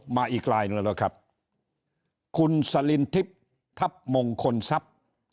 มาอีกลายหนึ่งแล้วครับคุณสลินทิพย์ทัพมงคลทรัพย์